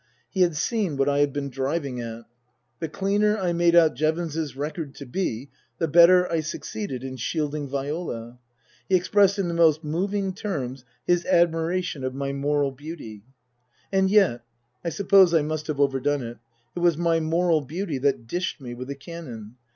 He had seen what I had been driving at. The cleaner I made out Jevons's record to be, the better I succeeded in shielding Viola. He expressed in the most moving terms his admiration of my moral beauty. And yet (I suppose I must have overdone it) it was my moral beauty that dished me with the Canon.